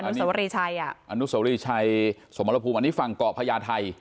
นุษยศวรีชัยสมรภูมิฝั่งเกาะพญาไทย